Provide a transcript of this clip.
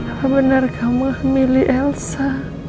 apa benar kamu memilih elsa